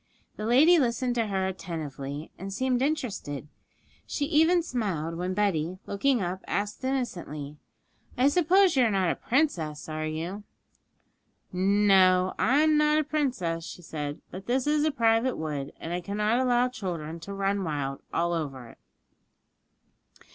The lady listened to her attentively, and seemed interested; she even smiled when Betty, looking up, asked innocently, 'I suppose you are not a princess, are you?' 'No, I'm not a princess,' she said; 'but this is a private wood, and I cannot allow children to run wild all over it.'